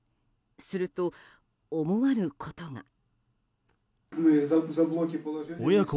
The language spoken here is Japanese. すると、思わぬことが。